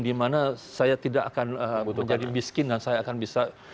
dimana saya tidak akan menjadi miskin dan saya akan bisa